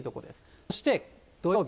そして土曜日。